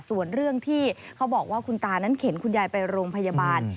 ส่วนเรื่องที่เขาบอกว่าคุณตานั้นเข็นคุณยายไปโรงพยาบาล